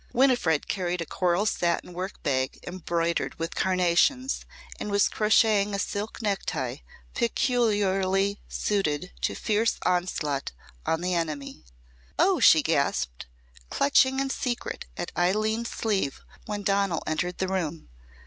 Winifred carried a coral satin work bag embroidered with carnations and was crocheting a silk necktie peculiarly suited to fierce onslaught on the enemy. "Oh!" she gasped, clutching in secret at Eileen's sleeve when Donal entered the room.